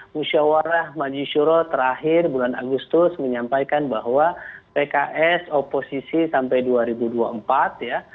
musyawarah majisyuro terakhir bulan agustus menyampaikan bahwa pks oposisi sampai dua ribu dua puluh empat ya